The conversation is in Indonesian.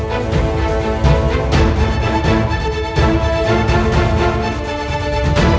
aku tidak akan membiarkan